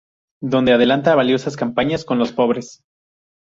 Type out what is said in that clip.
Donde adelanta valiosas Campañas con los Pobres.